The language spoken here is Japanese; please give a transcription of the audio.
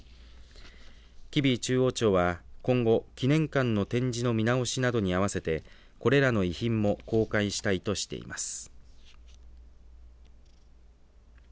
吉備中央町は今後、記念館の展示の見直しなどに合わせてこれらの遺品も公開したいとしています。